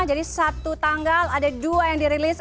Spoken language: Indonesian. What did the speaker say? jadi satu tanggal ada dua yang dirilis